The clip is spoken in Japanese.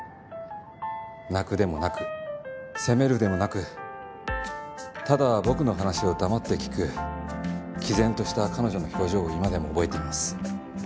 泣くでもなく責めるでもなくただ僕の話を黙って聞く毅然とした彼女の表情を今でも覚えています。